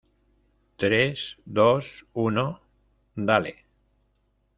tres, dos , uno... ¡ dale!